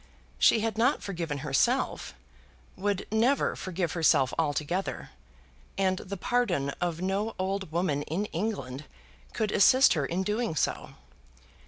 She had not forgiven herself, would never forgive herself altogether; and the pardon of no old woman in England could assist her in doing so.